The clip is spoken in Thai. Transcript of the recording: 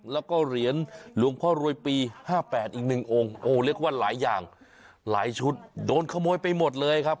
แล้วก็เหรียญหลวงพ่อรวยปี๕๘อีกหนึ่งองค์โอ้เรียกว่าหลายอย่างหลายชุดโดนขโมยไปหมดเลยครับ